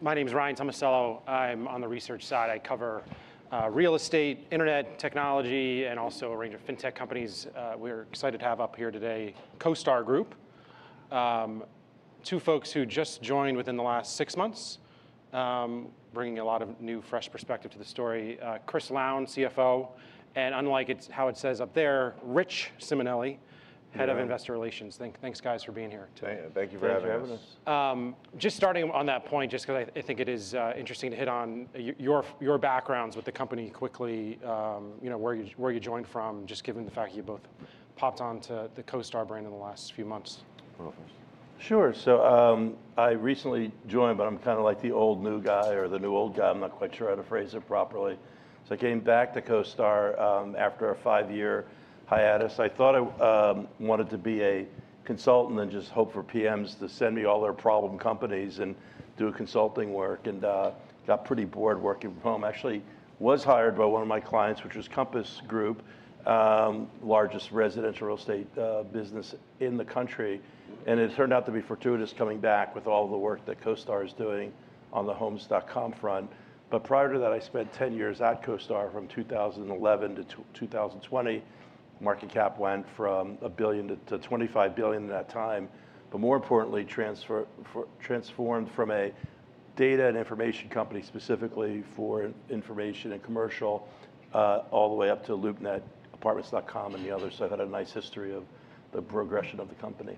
My name is Ryan Tomasello. I'm on the research side. I cover real estate, internet technology, and also a range of fintech companies. We're excited to have up here today CoStar Group, two folks who just joined within the last six months, bringing a lot of new, fresh perspective to the story. Chris Lown, CFO, and unlike how it says up there, Rich Simonelli, head of investor relations. Thanks, guys, for being here today. Thank you for having us. Just starting on that point, just because I think it is interesting to hit on your backgrounds with the company quickly, where you joined from, just given the fact you both popped on to the CoStar brand in the last few months. Sure. So I recently joined, but I'm kind of like the old new guy or the new old guy. I'm not quite sure how to phrase it properly. So I came back to CoStar after a five-year hiatus. I thought I wanted to be a consultant and just hope for PMs to send me all their problem companies and do consulting work, and got pretty bored working from home. Actually, I was hired by one of my clients, which was Compass Group, largest residential real estate business in the country, and it turned out to be fortuitous coming back with all the work that CoStar is doing on the Homes.com front. But prior to that, I spent 10 years at CoStar from 2011 to 2020. Market cap went from $1 billion to $25 billion at that time. But more importantly, transformed from a data and information company specifically for information and commercial all the way up to LoopNet, Apartments.com, and the others. So I've had a nice history of the progression of the company.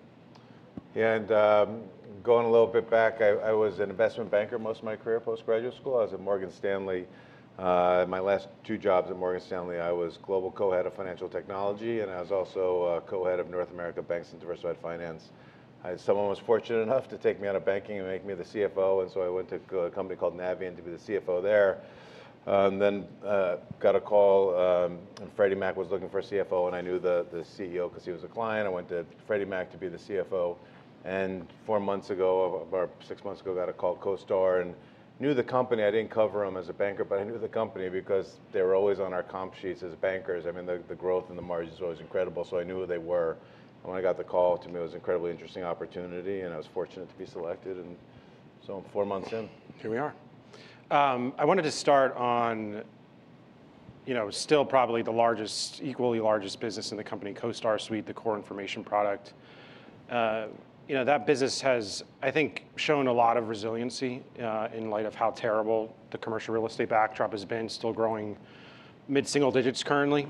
And going a little bit back, I was an investment banker most of my career postgraduate school. I was at Morgan Stanley. My last two jobs at Morgan Stanley, I was global co-head of financial technology, and I was also co-head of North America Banks and Diversified Finance. Someone was fortunate enough to take me out of banking and make me the CFO. And so I went to a company called Navient to be the CFO there. Then got a call, and Freddie Mac was looking for a CFO. And I knew the CEO because he was a client. I went to Freddie Mac to be the CFO. And four months ago, about six months ago, I got a call from CoStar. And I knew the company. I didn't cover them as a banker, but I knew the company because they were always on our comp sheets as bankers. I mean, the growth and the margins were always incredible. So I knew who they were. And when I got the call, to me, it was an incredibly interesting opportunity. And I was fortunate to be selected. And so I'm four months in. Here we are. I wanted to start on still probably the equally largest business in the company, CoStar Suite, the core information product. That business has, I think, shown a lot of resiliency in light of how terrible the commercial real estate backdrop has been, still growing mid-single digits currently.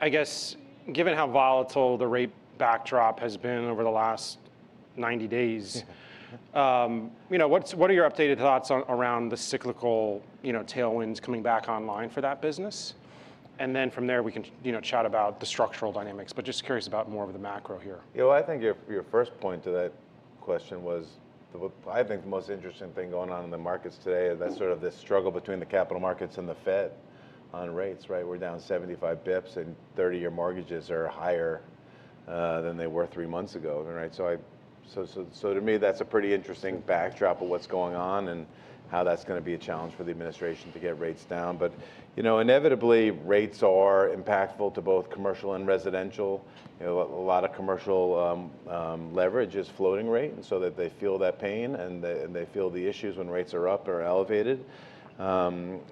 I guess, given how volatile the rate backdrop has been over the last 90 days, what are your updated thoughts around the cyclical tailwinds coming back online for that business? And then from there, we can chat about the structural dynamics, but just curious about more of the macro here. I think your first point to that question was, I think the most interesting thing going on in the markets today is that sort of this struggle between the capital markets and the Fed on rates. We're down 75 basis points, and 30-year mortgages are higher than they were three months ago. So to me, that's a pretty interesting backdrop of what's going on and how that's going to be a challenge for the administration to get rates down. But inevitably, rates are impactful to both commercial and residential. A lot of commercial leverage is floating rate, and so they feel that pain, and they feel the issues when rates are up or elevated.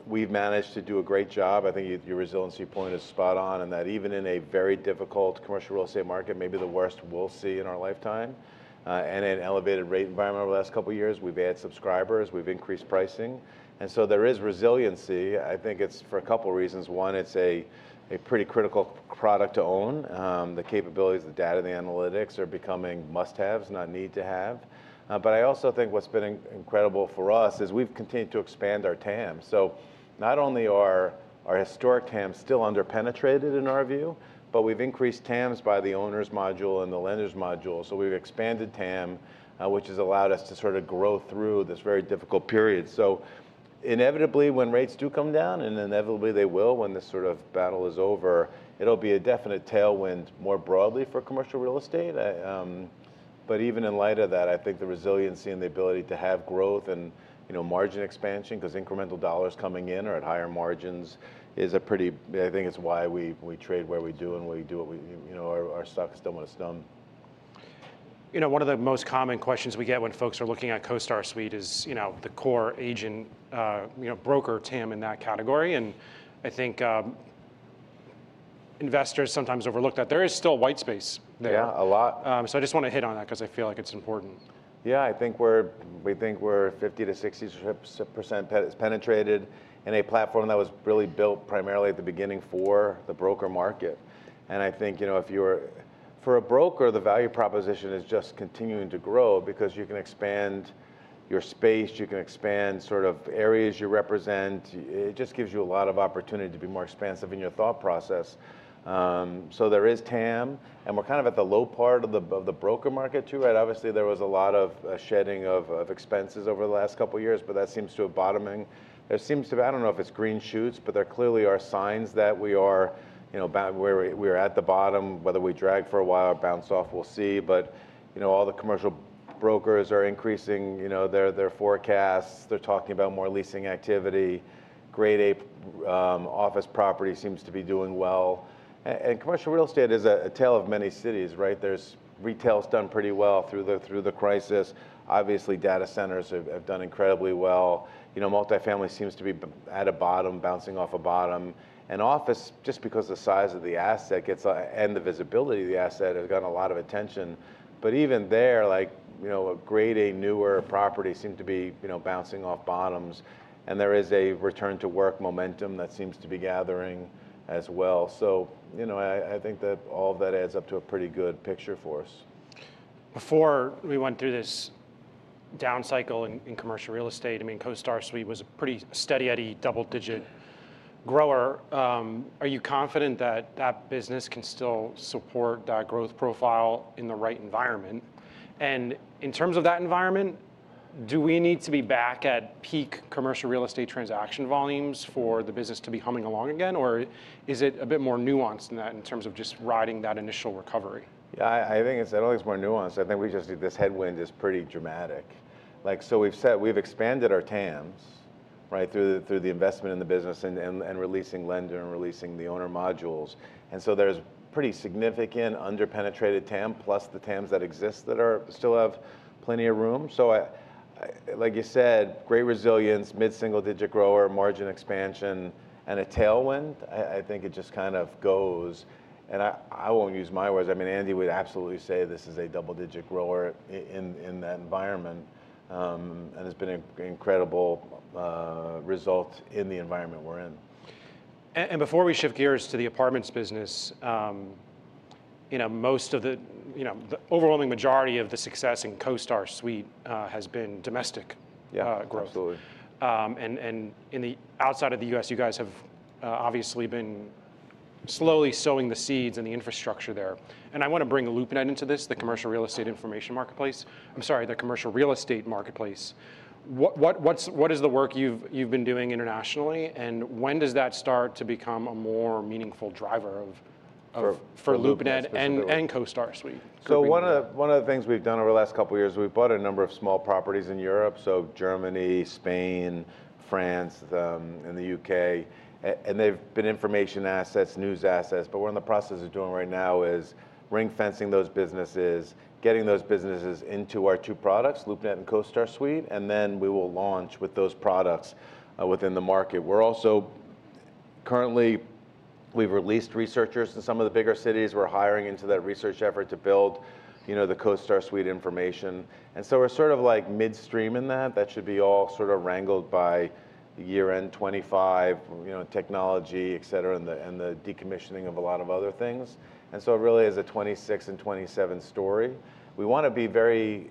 We've managed to do a great job. I think your resiliency point is spot on in that even in a very difficult commercial real estate market, maybe the worst we'll see in our lifetime, and in an elevated rate environment over the last couple of years, we've added subscribers. We've increased pricing. And so there is resiliency. I think it's for a couple of reasons. One, it's a pretty critical product to own. The capabilities, the data, the analytics are becoming must-haves, not need-to-have. But I also think what's been incredible for us is we've continued to expand our TAM. So not only are our historic TAMs still under-penetrated in our view, but we've increased TAMs by the owner's module and the lender's module. So we've expanded TAM, which has allowed us to sort of grow through this very difficult period. So inevitably, when rates do come down, and inevitably they will when this sort of battle is over, it'll be a definite tailwind more broadly for commercial real estate. But even in light of that, I think the resiliency and the ability to have growth and margin expansion, because incremental dollars coming in or at higher margins is a pretty, I think it's why we trade where we do and we do what our stock is still going to strong. One of the most common questions we get when folks are looking at CoStar Suite is the core agent broker TAM in that category, and I think investors sometimes overlook that there is still white space there. Yeah, a lot. So I just want to hit on that because I feel like it's important. Yeah, I think we're 50%-60% penetrated in a platform that was really built primarily at the beginning for the broker market. And I think if you were for a broker, the value proposition is just continuing to grow because you can expand your space. You can expand sort of areas you represent. It just gives you a lot of opportunity to be more expansive in your thought process. So there is TAM. And we're kind of at the low part of the broker market too. Obviously, there was a lot of shedding of expenses over the last couple of years, but that seems to have bottoming. There seems to be, I don't know if it's green shoots, but there clearly are signs that we are at the bottom. Whether we drag for a while or bounce off, we'll see. But all the commercial brokers are increasing their forecasts. They're talking about more leasing activity. Grade A office property seems to be doing well. And commercial real estate is a tale of many cities. There's retail's done pretty well through the crisis. Obviously, data centers have done incredibly well. Multifamily seems to be at a bottom, bouncing off a bottom. And office, just because the size of the asset and the visibility of the asset has gotten a lot of attention. But even there, Grade A newer properties seem to be bouncing off bottoms. And there is a return to work momentum that seems to be gathering as well. So I think that all of that adds up to a pretty good picture for us. Before we went through this down cycle in commercial real estate, CoStar Suite was a pretty steady at a double-digit grower. Are you confident that that business can still support that growth profile in the right environment, and in terms of that environment, do we need to be back at peak commercial real estate transaction volumes for the business to be humming along again, or is it a bit more nuanced than that in terms of just riding that initial recovery? Yeah, I think it's not always more nuanced. I think we just see this headwind is pretty dramatic, so we've expanded our TAMs through the investment in the business and releasing lender and releasing the owner modules. And so there's pretty significant under-penetrated TAM plus the TAMs that exist that still have plenty of room, so like you said, great resilience, mid-single digit grower, margin expansion, and a tailwind. I think it just kind of goes, and I won't use my words. I mean, Andy would absolutely say this is a double-digit grower in that environment, and it's been an incredible result in the environment we're in. Before we shift gears to the apartments business, most of the overwhelming majority of the success in CoStar Suite has been domestic growth. Yeah, absolutely. And outside of the U.S., you guys have obviously been slowly sowing the seeds and the infrastructure there. And I want to bring LoopNet into this, the commercial real estate information marketplace. I'm sorry, the commercial real estate marketplace. What is the work you've been doing internationally? And when does that start to become a more meaningful driver for LoopNet and CoStar Suite? So one of the things we've done over the last couple of years, we've bought a number of small properties in Europe, so Germany, Spain, France, and the U.K. And they've been information assets, news assets. But what we're in the process of doing right now is ring-fencing those businesses, getting those businesses into our two products, LoopNet and CoStar Suite. And then we will launch with those products within the market. We're also currently, we've released researchers in some of the bigger cities. We're hiring into that research effort to build the CoStar Suite information. And so we're sort of like midstream in that. That should be all sort of wrangled by year-end 2025, technology, et cetera, and the decommissioning of a lot of other things. And so it really is a 2026 and 2027 story. We want to be very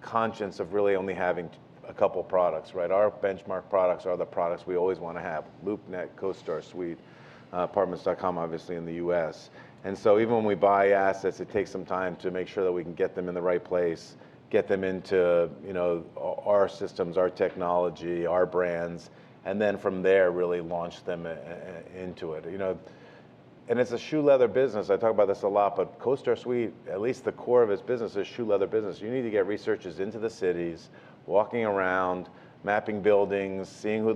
conscious of really only having a couple of products. Our benchmark products are the products we always want to have: LoopNet, CoStar Suite, Apartments.com, obviously in the U.S. And so even when we buy assets, it takes some time to make sure that we can get them in the right place, get them into our systems, our technology, our brands, and then from there really launch them into it. And it's a shoe leather business. I talk about this a lot, but CoStar Suite, at least the core of its business is a shoe leather business. You need to get researchers into the cities, walking around, mapping buildings, seeing who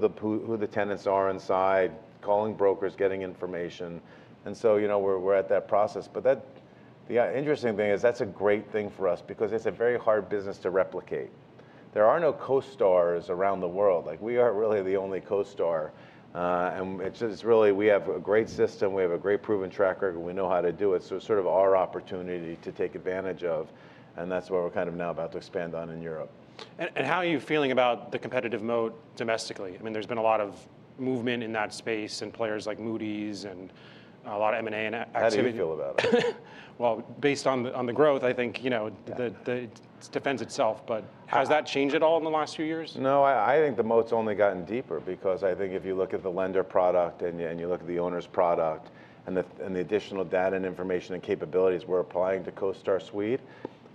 the tenants are inside, calling brokers, getting information. And so we're at that process. But the interesting thing is that's a great thing for us because it's a very hard business to replicate. There are no CoStars around the world. We are really the only CoStar. And we have a great system. We have a great proven track record. We know how to do it. So it's sort of our opportunity to take advantage of. And that's what we're kind of now about to expand on in Europe. And how are you feeling about the competitive moat domestically? I mean, there's been a lot of movement in that space and players like Moody's and A lot of M&A and activity. How do you feel about it? Based on the growth, I think it defends itself. Has that changed at all in the last few years? No, I think the moat's only gotten deeper because I think if you look at the lender product and you look at the owner's product and the additional data and information and capabilities we're applying to CoStar Suite,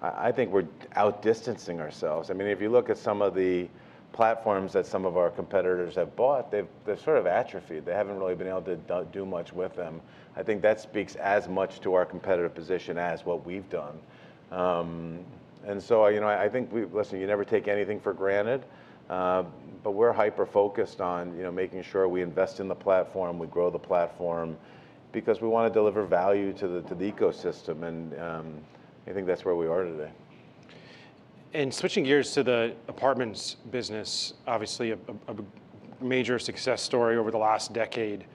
I think we're outdistancing ourselves. I mean, if you look at some of the platforms that some of our competitors have bought, they've sort of atrophied. They haven't really been able to do much with them. I think that speaks as much to our competitive position as what we've done. And so I think, listen, you never take anything for granted. But we're hyper-focused on making sure we invest in the platform, we grow the platform because we want to deliver value to the ecosystem. And I think that's where we are today. And switching gears to the apartments business, obviously a major success story over the last decade.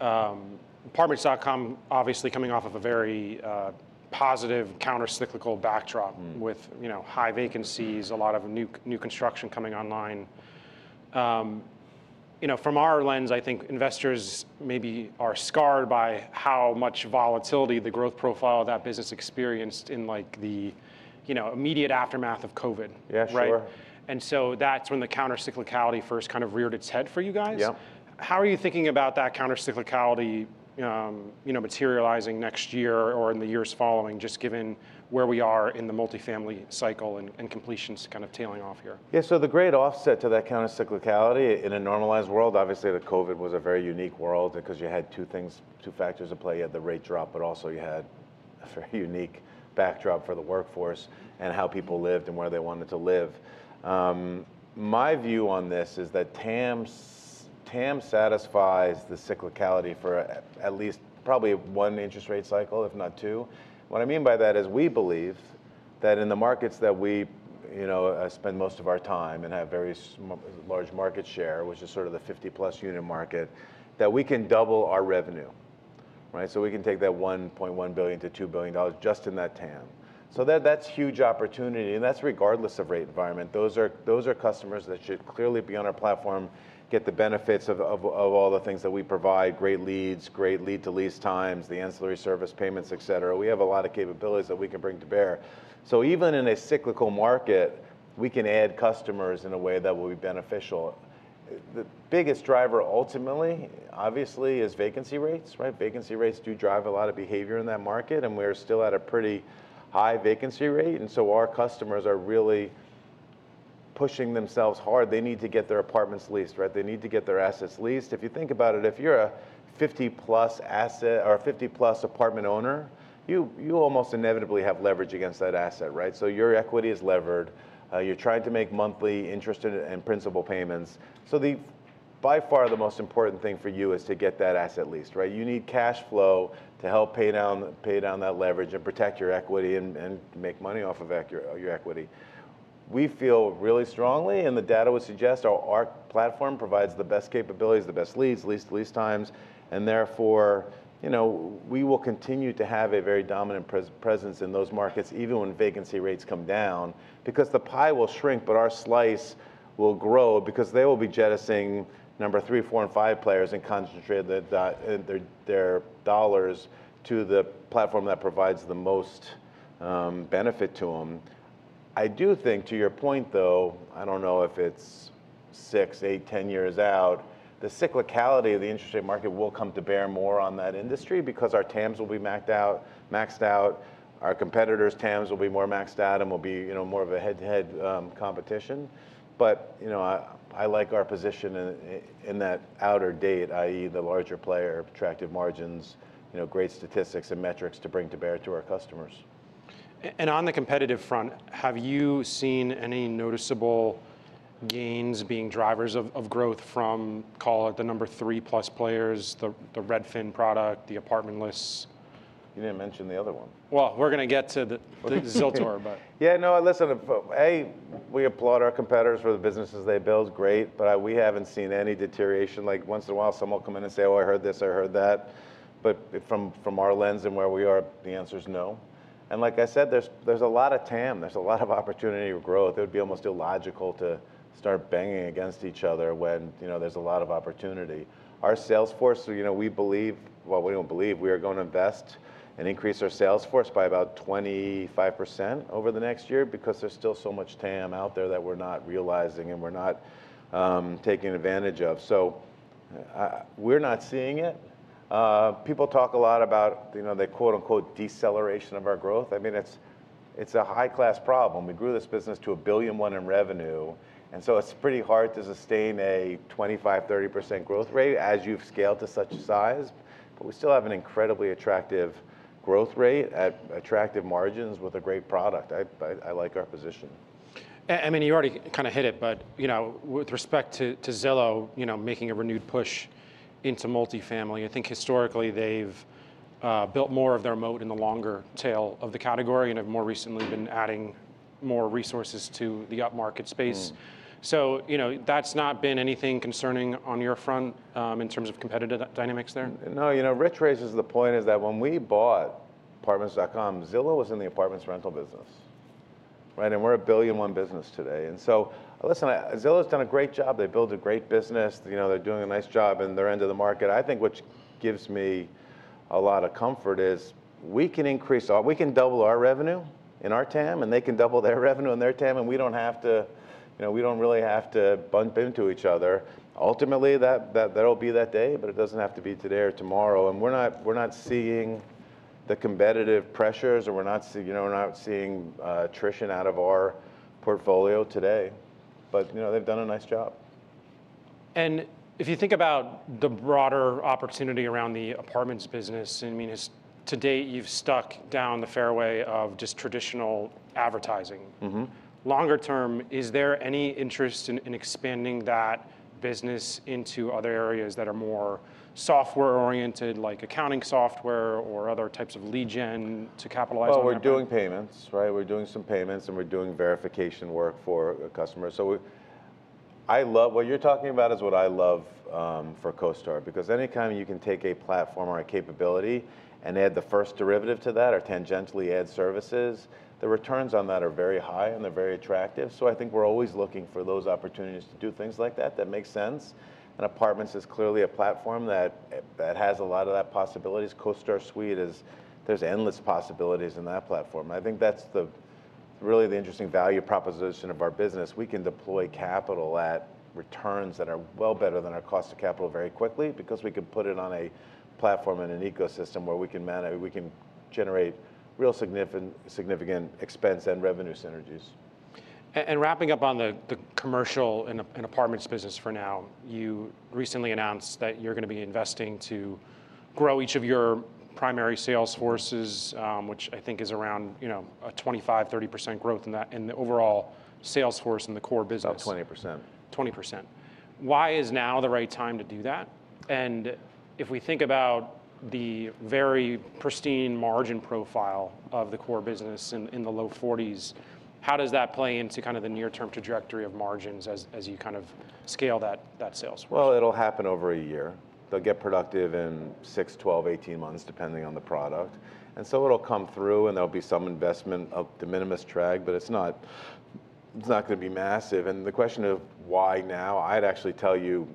Apartments.com, obviously coming off of a very positive countercyclical backdrop with high vacancies, a lot of new construction coming online. From our lens, I think investors maybe are scarred by how much volatility the growth profile of that business experienced in the immediate aftermath of COVID. Yeah, sure. And so that's when the countercyclicality first kind of reared its head for you guys. Yeah. How are you thinking about that countercyclicality materializing next year or in the years following, just given where we are in the multifamily cycle and completions kind of tailing off here? Yeah, so the great offset to that countercyclicality in a normalized world, obviously the COVID was a very unique world because you had two things, two factors at play. You had the rate drop, but also you had a very unique backdrop for the workforce and how people lived and where they wanted to live. My view on this is that TAM satisfies the cyclicality for at least probably one interest rate cycle, if not two. What I mean by that is we believe that in the markets that we spend most of our time and have very large market share, which is sort of the 50-plus unit market, that we can double our revenue. So we can take that $1.1 billion-$2 billion just in that TAM. So that's huge opportunity. And that's regardless of rate environment. Those are customers that should clearly be on our platform, get the benefits of all the things that we provide: great leads, great lead-to-lease times, the ancillary service payments, et cetera. We have a lot of capabilities that we can bring to bear. So even in a cyclical market, we can add customers in a way that will be beneficial. The biggest driver ultimately, obviously, is vacancy rates. Vacancy rates do drive a lot of behavior in that market. And we're still at a pretty high vacancy rate. And so our customers are really pushing themselves hard. They need to get their apartments leased. They need to get their assets leased. If you think about it, if you're a 50+ asset or a 50+ apartment owner, you almost inevitably have leverage against that asset. So your equity is levered. You're trying to make monthly interest and principal payments. So by far the most important thing for you is to get that asset leased. You need cash flow to help pay down that leverage and protect your equity and make money off of your equity. We feel really strongly, and the data would suggest, our platform provides the best capabilities, the best leads, least lease times. And therefore, we will continue to have a very dominant presence in those markets even when vacancy rates come down because the pie will shrink, but our slice will grow because they will be jettisoning number three, four, and five players and concentrate their dollars to the platform that provides the most benefit to them. I do think, to your point, though, I don't know if it's six, eight, 10 years out, the cyclicality of the interest rate market will come to bear more on that industry because our TAMs will be maxed out. Our competitors' TAMs will be more maxed out and will be more of a head-to-head competition. But I like our position in that outer date, i.e., the larger player, attractive margins, great statistics and metrics to bring to bear to our customers. On the competitive front, have you seen any noticeable gains being drivers of growth from, call it, the number three-plus players, the Redfin product, the Apartment List? You didn't mention the other one. We're going to get to the Zillow, but. Yeah, no, listen, A, we applaud our competitors for the businesses they build. Great, but we haven't seen any deterioration. Once in a while, someone will come in and say, "Oh, I heard this. I heard that." But from our lens and where we are, the answer is no, and like I said, there's a lot of TAM. There's a lot of opportunity of growth. It would be almost illogical to start banging against each other when there's a lot of opportunity. Our sales force, we believe, well, we don't believe, we are going to invest and increase our sales force by about 25% over the next year because there's still so much TAM out there that we're not realizing and we're not taking advantage of, so we're not seeing it. People talk a lot about the quote-unquote deceleration of our growth. I mean, it's a high-class problem. We grew this business to $1.1 billion in revenue. And so it's pretty hard to sustain a 25%, 30% growth rate as you've scaled to such a size. But we still have an incredibly attractive growth rate at attractive margins with a great product. I like our position. I mean, you already kind of hit it, but with respect to Zillow making a renewed push into multifamily, I think historically they've built more of their moat in the longer tail of the category and have more recently been adding more resources to the upmarket space. So that's not been anything concerning on your front in terms of competitive dynamics there? No, you know, Rich raises the point is that when we bought Apartments.com, Zillow was in the apartments rental business, and we're a $1 billion business today. And so, listen, Zillow's done a great job. They built a great business. They're doing a nice job in their end of the market. I think what gives me a lot of comfort is we can increase, we can double our revenue in our TAM, and they can double their revenue in their TAM, and we don't have to, we don't really have to bump into each other. Ultimately, that'll be that day, but it doesn't have to be today or tomorrow, and we're not seeing the competitive pressures or we're not seeing attrition out of our portfolio today. But they've done a nice job. If you think about the broader opportunity around the apartments business, I mean, to date you've stuck down the fairway of just traditional advertising. Longer term, is there any interest in expanding that business into other areas that are more software-oriented, like accounting software or other types of lead gen to capitalize on that? We're doing payments. We're doing some payments and we're doing verification work for customers. What you're talking about is what I love for CoStar because anytime you can take a platform or a capability and add the first derivative to that or tangentially add services, the returns on that are very high and they're very attractive. I think we're always looking for those opportunities to do things like that that make sense. Apartments is clearly a platform that has a lot of that possibilities. CoStar Suite is, there's endless possibilities in that platform. I think that's really the interesting value proposition of our business. We can deploy capital at returns that are well better than our cost of capital very quickly because we can put it on a platform in an ecosystem where we can generate real significant expense and revenue synergies. Wrapping up on the commercial and apartments business for now, you recently announced that you're going to be investing to grow each of your primary sales forces, which I think is around a 25%-30% growth in the overall sales force and the core business. About 20%. 20%. Why is now the right time to do that? And if we think about the very pristine margin profile of the core business in the low 40s, how does that play into kind of the near-term trajectory of margins as you kind of scale that sales force? Well, it'll happen over a year. They'll get productive in six, 12, 18 months depending on the product. And so it'll come through, and there'll be some investment of de minimis impact, but it's not going to be massive. And the question of why now, I'd actually tell you,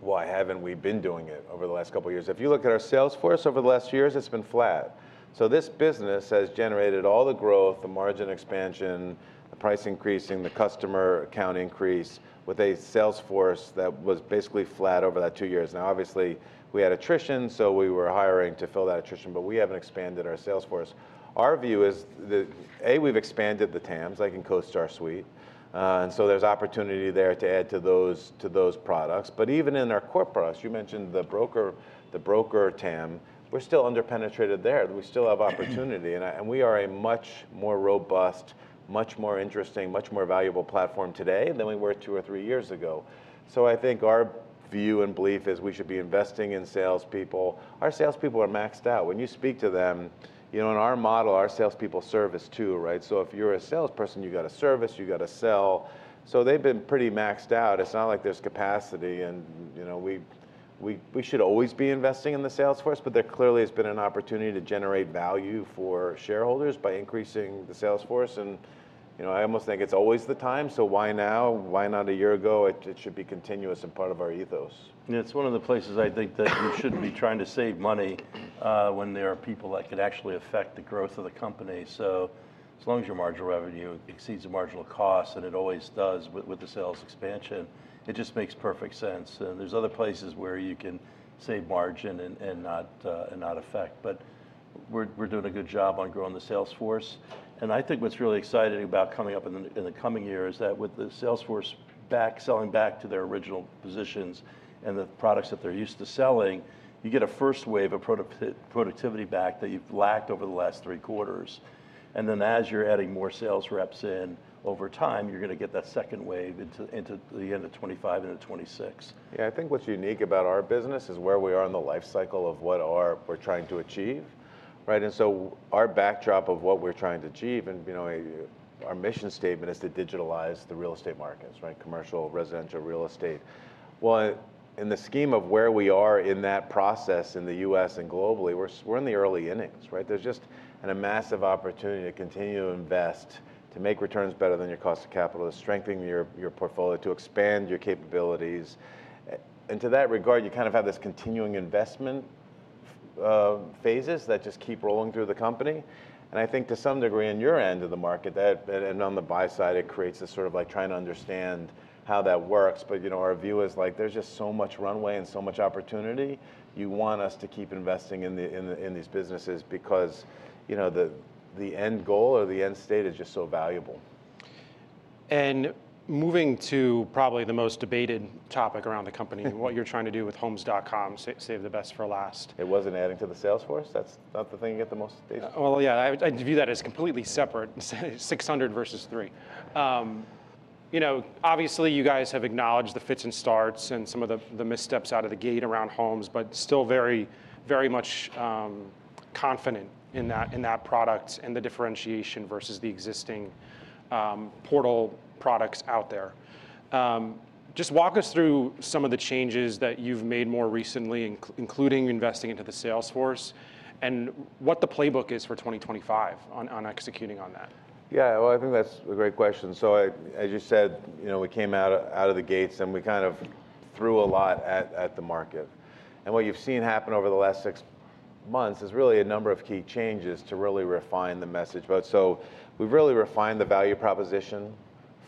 why haven't we been doing it over the last couple of years? If you look at our sales force over the last few years, it's been flat. So this business has generated all the growth, the margin expansion, the price increasing, the customer account increase with a sales force that was basically flat over that two years. Now, obviously, we had attrition, so we were hiring to fill that attrition, but we haven't expanded our sales force. Our view is, A, we've expanded the TAMs like in CoStar Suite. And so there's opportunity there to add to those products. But even in our core products, you mentioned the broker TAM, we're still under-penetrated there. We still have opportunity, and we are a much more robust, much more interesting, much more valuable platform today than we were two or three years ago, so I think our view and belief is we should be investing in salespeople. Our salespeople are maxed out. When you speak to them, in our model, our salespeople service too, so if you're a salesperson, you've got to service, you've got to sell, so they've been pretty maxed out. It's not like there's capacity, and we should always be investing in the sales force, but there clearly has been an opportunity to generate value for shareholders by increasing the sales force, and I almost think it's always the time, so why now? Why not a year ago? It should be continuous and part of our ethos. It's one of the places I think that you shouldn't be trying to save money when there are people that could actually affect the growth of the company, so as long as your marginal revenue exceeds the marginal cost, and it always does with the sales expansion, it just makes perfect sense, and there's other places where you can save margin and not affect, but we're doing a good job on growing the sales force, and I think what's really exciting about coming up in the coming year is that with the sales force back, selling back to their original positions and the products that they're used to selling, you get a first wave of productivity back that you've lacked over the last three quarters, and then as you're adding more sales reps in over time, you're going to get that second wave into the end of 2025 and 2026. Yeah, I think what's unique about our business is where we are in the life cycle of what we're trying to achieve. And so our backdrop of what we're trying to achieve, and our mission statement is to digitalize the real estate markets, commercial, residential, real estate. Well, in the scheme of where we are in that process in the U.S. and globally, we're in the early innings. There's just a massive opportunity to continue to invest, to make returns better than your cost of capital, to strengthen your portfolio, to expand your capabilities. And to that regard, you kind of have this continuing investment phases that just keep rolling through the company. And I think to some degree in your end of the market, and on the buy side, it creates a sort of like trying to understand how that works. But our view is like there's just so much runway and so much opportunity. You want us to keep investing in these businesses because the end goal or the end state is just so valuable. And moving to probably the most debated topic around the company, what you're trying to do with Homes.com, save the best for last. It wasn't adding to the sales force? That's not the thing you get the most data. Yeah, I view that as completely separate, 600 versus three. Obviously, you guys have acknowledged the fits and starts and some of the missteps out of the gate around homes, but still very, very much confident in that product and the differentiation versus the existing portal products out there. Just walk us through some of the changes that you've made more recently, including investing into the sales force and what the playbook is for 2025 on executing on that. Yeah, well, I think that's a great question. So as you said, we came out of the gates and we kind of threw a lot at the market. And what you've seen happen over the last six months is really a number of key changes to really refine the message. So we've really refined the value proposition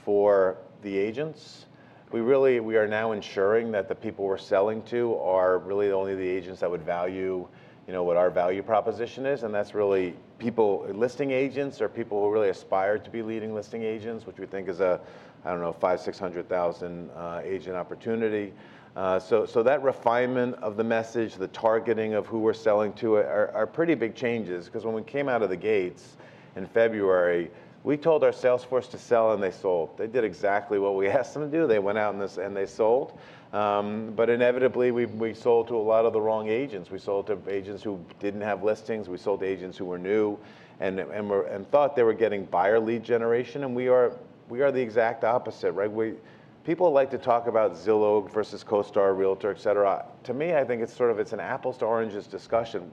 for the agents. We are now ensuring that the people we're selling to are really only the agents that would value what our value proposition is. And that's really listing agents or people who really aspire to be leading listing agents, which we think is a, I don't know, 500,000, 600,000 agent opportunity. So that refinement of the message, the targeting of who we're selling to are pretty big changes because when we came out of the gates in February, we told our sales force to sell and they sold. They did exactly what we asked them to do. They went out and they sold. But inevitably, we sold to a lot of the wrong agents. We sold to agents who didn't have listings. We sold to agents who were new and thought they were getting buyer lead generation, and we are the exact opposite. People like to talk about Zillow versus CoStar, Realtor, et cetera. To me, I think it's sort of an apples-to-oranges discussion.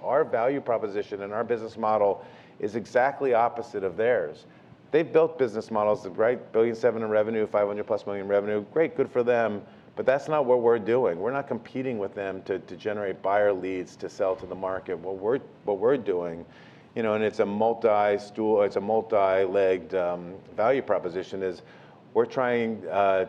Our value proposition and our business model is exactly opposite of theirs. They've built business models, right? $1.7 billion in revenue, $500+ million revenue. Great, good for them, but that's not what we're doing. We're not competing with them to generate buyer leads to sell to the market. What we're doing, and it's a multi-legged value proposition, is we're trying to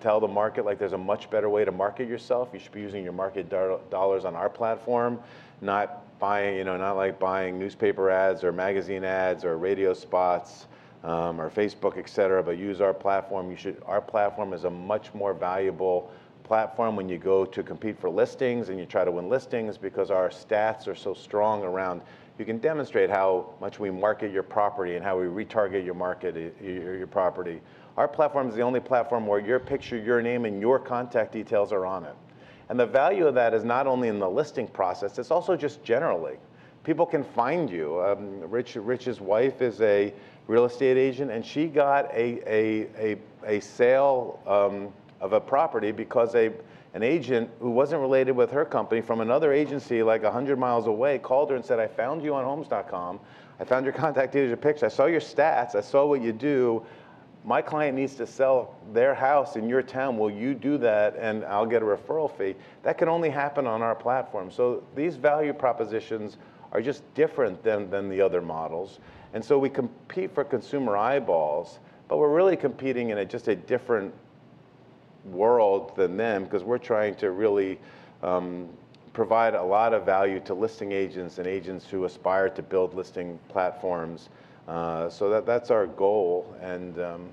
tell the market like there's a much better way to market yourself. You should be using your market dollars on our platform, not like buying newspaper ads or magazine ads or radio spots or Facebook, et cetera, but use our platform. Our platform is a much more valuable platform when you go to compete for listings and you try to win listings because our stats are so strong around you can demonstrate how much we market your property and how we retarget your market, your property. Our platform is the only platform where your picture, your name, and your contact details are on it. And the value of that is not only in the listing process, it's also just generally. People can find you. Rich's wife is a real estate agent and she got a sale of a property because an agent who wasn't related with her company from another agency like 100 mi away called her and said, "I found you on Homes.com. I found your contact details and your picture. I saw your stats. I saw what you do. My client needs to sell their house in your town. Will you do that? And I'll get a referral fee." That can only happen on our platform. So these value propositions are just different than the other models. And so we compete for consumer eyeballs, but we're really competing in just a different world than them because we're trying to really provide a lot of value to listing agents and agents who aspire to build listing platforms. So that's our goal. And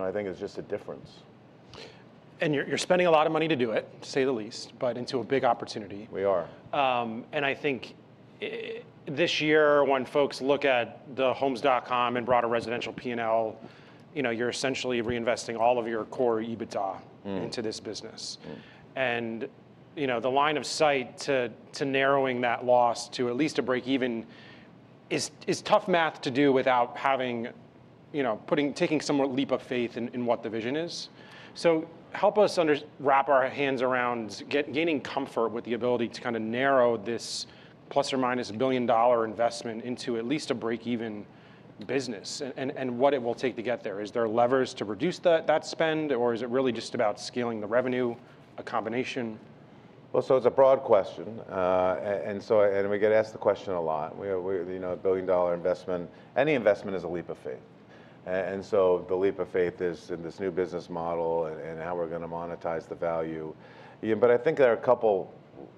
I think it's just a difference. You're spending a lot of money to do it, to say the least, but into a big opportunity. We are. I think this year, when folks look at the Homes.com and broader residential P&L, you're essentially reinvesting all of your core EBITDA into this business. The line of sight to narrowing that loss to at least a break-even is tough math to do without taking some leap of faith in what the vision is. Help us wrap our hands around gaining comfort with the ability to kind of narrow this plus or minus $1 billion investment into at least a break-even business and what it will take to get there. Is there levers to reduce that spend or is it really just about scaling the revenue, a combination? So it's a broad question. We get asked the question a lot. A billion-dollar investment, any investment is a leap of faith. So the leap of faith is in this new business model and how we're going to monetize the value. I think there are a couple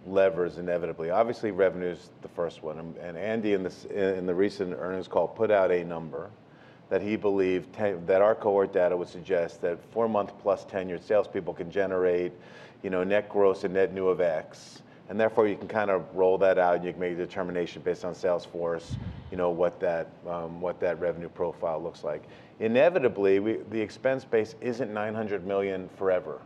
levers inevitably. Obviously, revenue is the first one. Andy in the recent earnings call put out a number that he believed that our cohort data would suggest that four-month plus tenure salespeople can generate net gross and net new of X. Therefore, you can kind of roll that out and you can make a determination based on sales force, what that revenue profile looks like. Inevitably, the expense base isn't $900 million forever.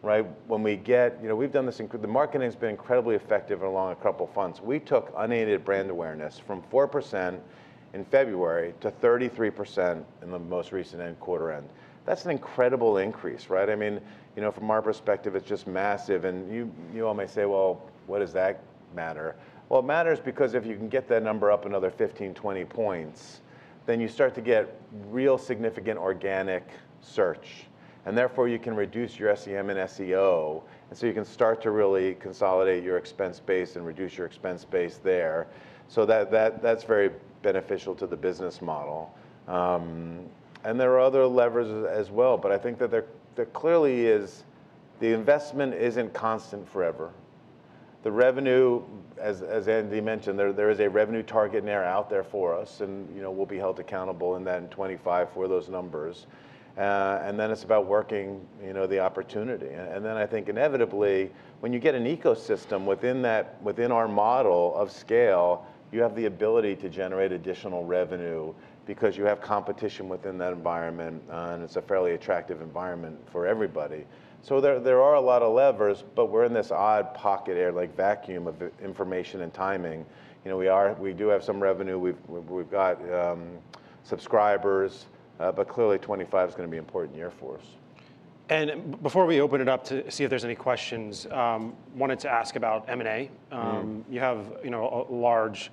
When we get, we've done this, the marketing has been incredibly effective along a couple of funds. We took unaided brand awareness from 4% in February to 33% in the most recent quarter end. That's an incredible increase. I mean, from our perspective, it's just massive. And you all may say, "Well, what does that matter?" Well, it matters because if you can get that number up another 15-20 points, then you start to get real significant organic search. And therefore, you can reduce your SEM and SEO. And so you can start to really consolidate your expense base and reduce your expense base there. So that's very beneficial to the business model. And there are other levers as well. But I think that there clearly is the investment isn't constant forever. The revenue, as Andy mentioned, there is a revenue target there out there for us. And we'll be held accountable in that in 2025 for those numbers. And then it's about working the opportunity. And then I think inevitably, when you get an ecosystem within our model of scale, you have the ability to generate additional revenue because you have competition within that environment. And it's a fairly attractive environment for everybody. So there are a lot of levers, but we're in this odd pocket, a vacuum of information and timing. We do have some revenue. We've got subscribers. But clearly, 2025 is going to be important year for us. Before we open it up to see if there's any questions, I wanted to ask about M&A. You have a large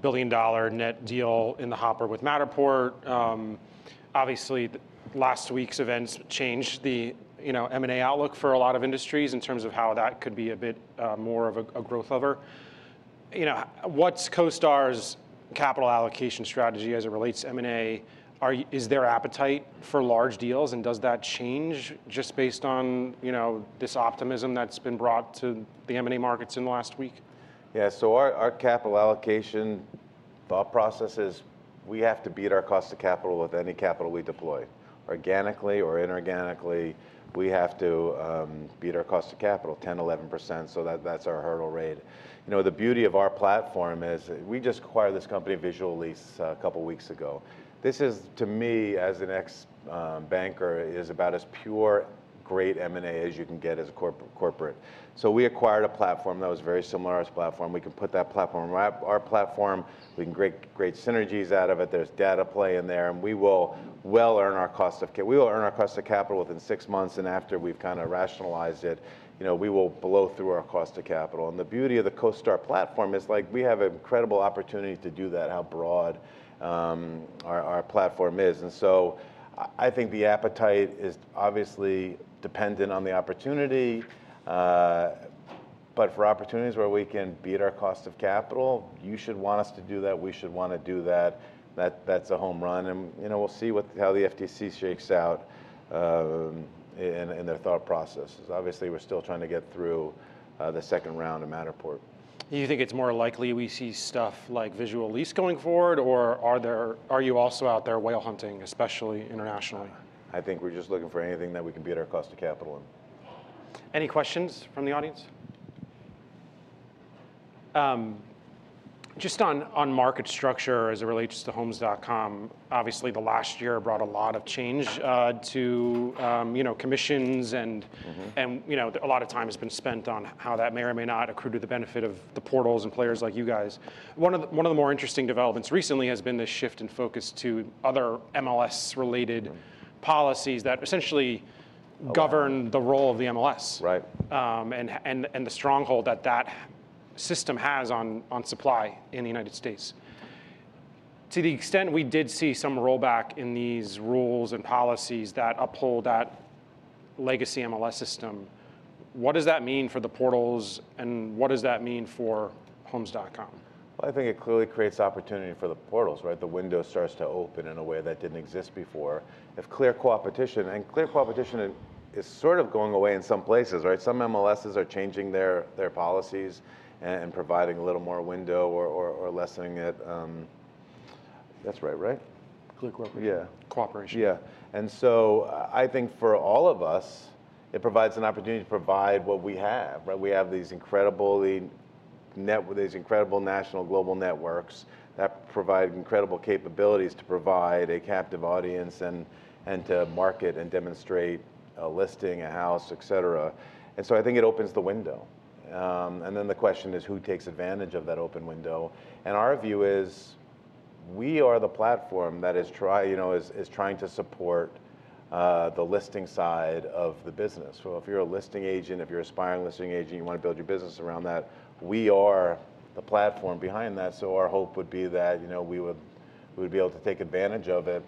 billion-dollar net deal in the hopper with Matterport. Obviously, last week's events changed the M&A outlook for a lot of industries in terms of how that could be a bit more of a growth lever. What's CoStar's capital allocation strategy as it relates to M&A? Is there appetite for large deals? And does that change just based on this optimism that's been brought to the M&A markets in the last week? Yeah, so our capital allocation thought process is we have to beat our cost of capital with any capital we deploy. Organically or inorganically, we have to beat our cost of capital 10%, 11%. So that's our hurdle rate. The beauty of our platform is we just acquired this company of Visual Lease a couple of weeks ago. This is, to me, as an ex-banker, is about as pure great M&A as you can get as a corporate. So we acquired a platform that was very similar to our platform. We can put that platform on our platform. We can create great synergies out of it. There's data play in there. And we will well earn our cost of capital. We will earn our cost of capital within six months. And after we've kind of rationalized it, we will blow through our cost of capital. And the beauty of the CoStar platform is like we have an incredible opportunity to do that, how broad our platform is. And so I think the appetite is obviously dependent on the opportunity. But for opportunities where we can beat our cost of capital, you should want us to do that. We should want to do that. That's a home run. And we'll see how the FTC shakes out in their thought processes. Obviously, we're still trying to get through the second round of Matterport. Do you think it's more likely we see stuff like Visual Lease going forward? Or are you also out there whale hunting, especially internationally? I think we're just looking for anything that we can beat our cost of capital in. Any questions from the audience? Just on market structure as it relates to Homes.com, obviously the last year brought a lot of change to commissions, and a lot of time has been spent on how that may or may not accrue to the benefit of the portals and players like you guys. One of the more interesting developments recently has been this shift in focus to other MLS-related policies that essentially govern the role of the MLS and the stronghold that that system has on supply in the United States. To the extent we did see some rollback in these rules and policies that uphold that legacy MLS system, what does that mean for the portals and what does that mean for Homes.com? Well, I think it clearly creates opportunity for the portals. The window starts to open in a way that didn't exist before. If Clear Cooperation, and Clear Cooperation is sort of going away in some places. Some MLSs are changing their policies and providing a little more window or lessening it. That's right, right? Clear cooperation. Yeah. And so I think for all of us, it provides an opportunity to provide what we have. We have these incredible national global networks that provide incredible capabilities to provide a captive audience and to market and demonstrate a listing, a house, et cetera. And so I think it opens the window. And then the question is who takes advantage of that open window? And our view is we are the platform that is trying to support the listing side of the business. So if you're a listing agent, if you're aspiring listing agent, you want to build your business around that, we are the platform behind that. So our hope would be that we would be able to take advantage of it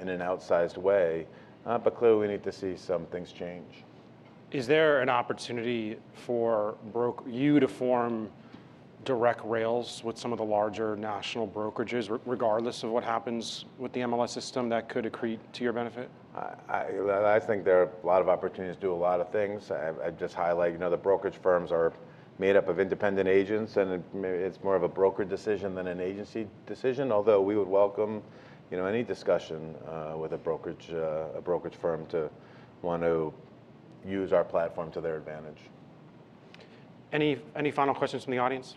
in an outsized way. But clearly, we need to see some things change. Is there an opportunity for you to form direct rails with some of the larger national brokerages, regardless of what happens with the MLS system that could accrete to your benefit? I think there are a lot of opportunities to do a lot of things. I'd just highlight the brokerage firms are made up of independent agents, and it's more of a broker decision than an agency decision. Although we would welcome any discussion with a brokerage firm to want to use our platform to their advantage. Any final questions from the audience?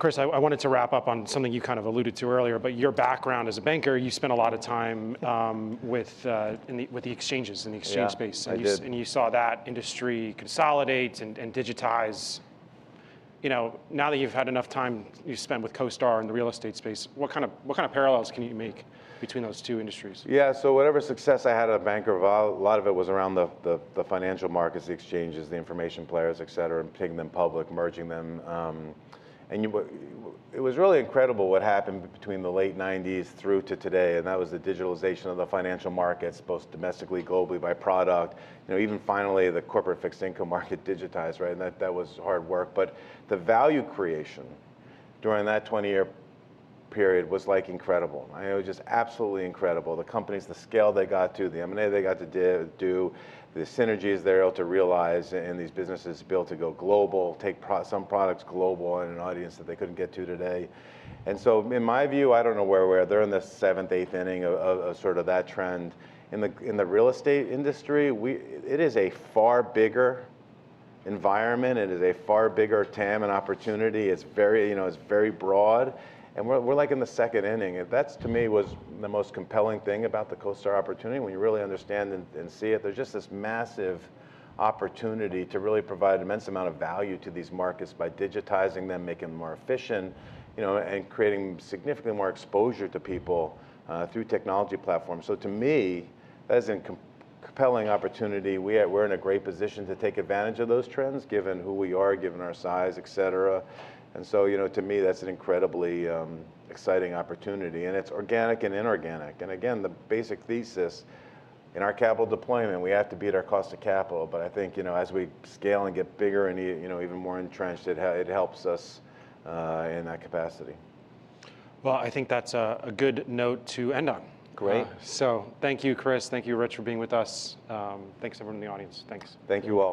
Chris, I wanted to wrap up on something you kind of alluded to earlier, but your background as a banker, you spent a lot of time with the exchanges in the exchange space, and you saw that industry consolidate and digitize. Now that you've had enough time you spent with CoStar and the real estate space, what kind of parallels can you make between those two industries? Yeah, so whatever success I had as a banker, a lot of it was around the financial markets, the exchanges, the information players, et cetera, and taking them public, merging them. It was really incredible what happened between the late 1990s through to today. That was the digitalization of the financial markets both domestically, globally, by product. Even finally, the corporate fixed income market digitized. That was hard work. But the value creation during that 20-year period was like incredible. It was just absolutely incredible. The companies, the scale they got to, the M&A they got to do, the synergies they're able to realize in these businesses built to go global, take some products global to an audience that they couldn't get to today. So in my view, I don't know where we are. They're in the seventh, eighth inning of sort of that trend. In the real estate industry, it is a far bigger environment. It is a far bigger TAM and opportunity. It's very broad, and we're like in the second inning. That to me was the most compelling thing about the CoStar opportunity when you really understand and see it. There's just this massive opportunity to really provide an immense amount of value to these markets by digitizing them, making them more efficient, and creating significantly more exposure to people through technology platforms, so to me, that is a compelling opportunity. We're in a great position to take advantage of those trends given who we are, given our size, et cetera, and so to me, that's an incredibly exciting opportunity, and it's organic and inorganic, and again, the basic thesis in our capital deployment, we have to beat our cost of capital. But I think as we scale and get bigger and even more entrenched, it helps us in that capacity. I think that's a good note to end on. Great. So thank you, Chris. Thank you, Rich, for being with us. Thanks to everyone in the audience. Thanks. Thank you all.